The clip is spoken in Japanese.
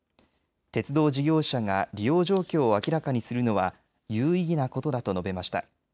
鉄道事業者が利用状況を明らかにするのは有意義なことだと述べました。